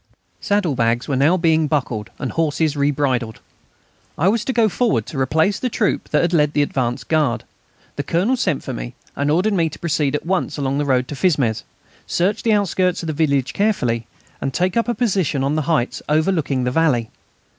Saddlebags were now being buckled and horses rebridled. I was to go forward to replace the troop that had led the advance guard. The Colonel sent for me and ordered me to proceed at once along the road to Fismes, search the outskirts of the village carefully, and take up a position on the heights overlooking the valley.